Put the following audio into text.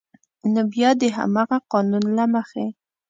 نو بیا د همغه قانون له مخې